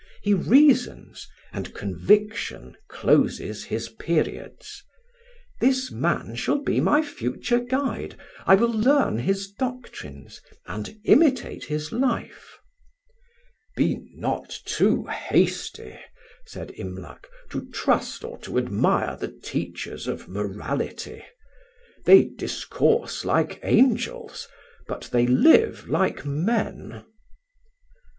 He reasons, and conviction closes his periods. This man shall be my future guide: I will learn his doctrines and imitate his life." "Be not too hasty," said Imlac, "to trust or to admire the teachers of morality: they discourse like angels, but they live like men."